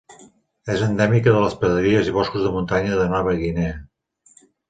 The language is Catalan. És endèmica de les praderies i boscos de muntanya de Nova Guinea.